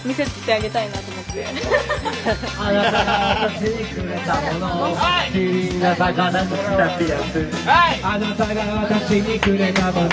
「あなたが私にくれたもの